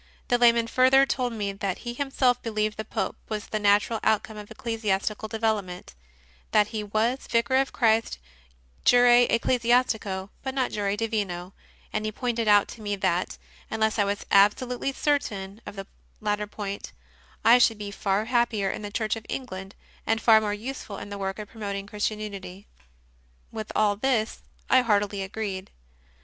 The layman further told me that he himself believed that the Pope was the natural outcome of ecclesi astical development; that he was Vicar of Christ jure ecclesiastico, but not jure divino; and he pointed out to me that, unless I was absolutely certain of the latter point, I should be far happier in the Church of England and far more useful in the work of promoting Christian unity. With all this I heartily agreed.